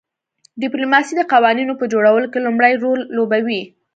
ډیپلوماسي د قوانینو په جوړولو کې لومړی رول لوبوي